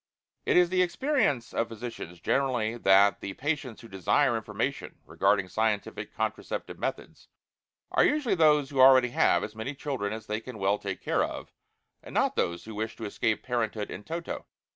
It is the experience of physicians generally that the patients who desire information regarding scientific contraceptive methods are usually those who already have as many children as they can well take care of, and not those who wish to escape parenthood in toto.